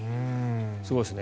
すごいですね。